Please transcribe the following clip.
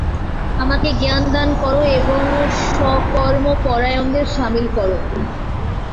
আমাকে জ্ঞান দান কর এবং সকর্মপরায়ণদের শামিল কর।